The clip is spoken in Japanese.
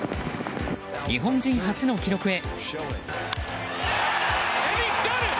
日本人初の記録へ。